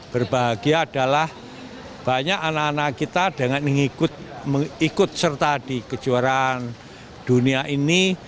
berbahagia adalah banyak anak anak kita dengan mengikut serta di kejuaraan dunia ini